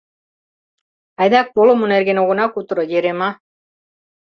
— Айда колымо нерген огына кутыро, Ерема.